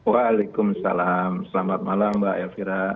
waalaikumsalam selamat malam mbak elvira